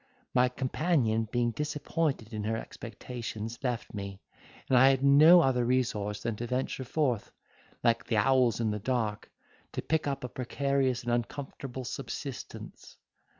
My companion, being disappointed in her expectations, left me, and I had no other resource than to venture forth, like the owls in the dark, to pick up a precarious and uncomfortable subsistence.